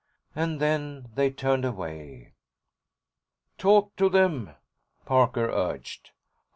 And then they turned away. "Talk to them," Parker urged.